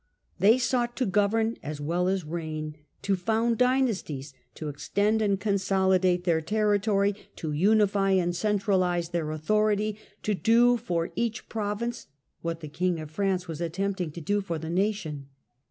They sought to govern as well as reign, to found dynasties, to extend and consolidate their territory, to unify and centralize their authority, to do for each province what the king of France was attempting to do for the nation.